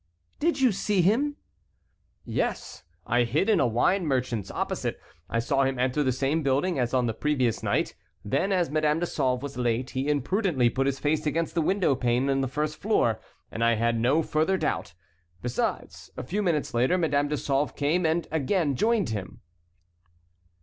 "Did you see him?" "Yes. I hid in a wine merchant's opposite. I saw him enter the same building as on the previous night. Then as Madame de Sauve was late he imprudently put his face against the window pane on the first floor, and I had no further doubt. Besides, a few minutes later Madame de Sauve came and again joined him."